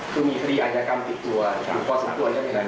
คือมีทรีย์อญากรรมติดตัวครับจุดปอสิบตัวใช่ไหมครับ